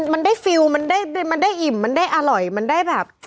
มันได้ฟิลล์มันได้อิ่มมันได้อร่อยมันได้แบบ